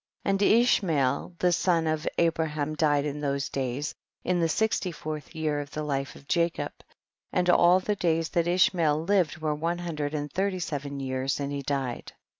18. And Ishmael the son of Abraham died in those days, in the sixty fourth year of the life of Jacob, and all the days that Ishmael lived were one hundred and thirty seven years and he died.